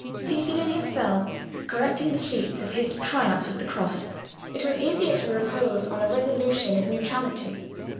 Seated in his cell, correcting the sheets of his 'Triumph of the Cross,' it was easier to repose on a resolution of neutrality.